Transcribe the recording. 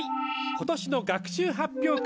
今年の学習発表会